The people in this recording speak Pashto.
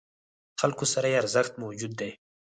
خلکو سره یې ارزښت موجود دی.